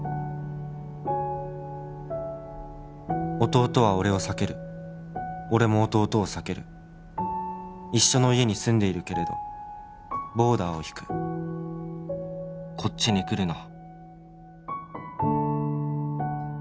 「弟は俺を避ける」「俺も弟を避ける」「一緒の家に住んでいるけれど」「ボーダーを引く」「こっちに来るな」